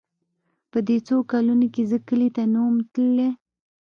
په دې څو کلونو چې زه کلي ته نه وم تللى.